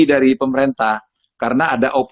dari pemerintah karena